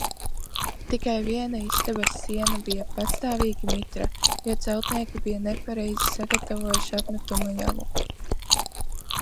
Tikai viena istabas siena bija pastāvīgi mitra, jo celtnieki bija nepareizi sagatavojuši apmetuma javu.